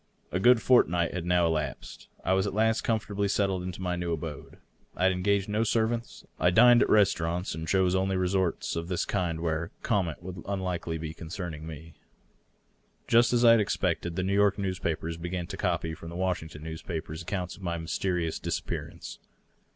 A good fortnight had now elapsed. I was at last comfortably settled in my new abode. I had engaged no servants. I dined at restaurants, and chose only resorts of this kind 'where comment would be unlikely concerning me. Just as I had expected, the New York newspapers b^an to copy from the Washington newspapers accounts of my mys terious disappearance.